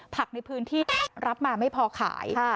ผักในพื้นที่ก็รับมาไม่พอขาย